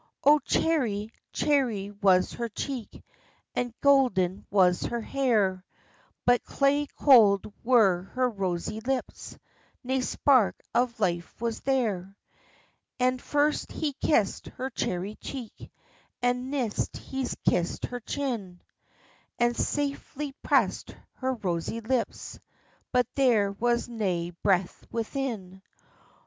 O cherry, cherry was her cheek, And gowden was her hair, But clay cold were her rosey lips, Nae spark of life was there, And first he's kissd her cherry cheek, And neist he's kissed her chin; And saftly pressd her rosey lips, But there was nae breath within.